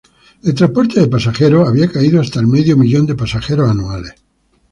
El transporte de pasajeros había caído hasta el medio millón de pasajeros anuales.